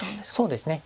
そうですね。